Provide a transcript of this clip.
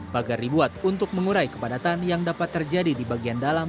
pagar dibuat untuk mengurai kepadatan yang dapat terjadi di bagian dalam